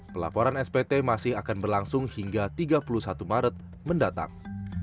pelaporan spt masih akan berlangsung hingga tiga puluh satu maret mendatang